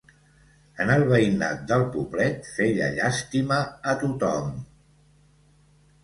En el veïnat del Poblet, feia llàstima a tothom…